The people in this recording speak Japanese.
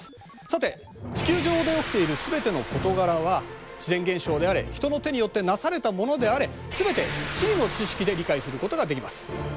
さて地球上で起きているすべての事柄は自然現象であれ人の手によってなされたものであれすべて地理の知識で理解することができます。